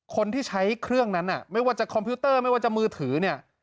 คนที่ใช้เครื่องนั้นไม่ว่าจะคอมพิวเตอร์ไม่ว่าจะมือถือเนี่ย